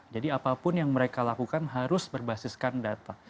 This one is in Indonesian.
jadi apapun yang mereka lakukan harus berbasiskan data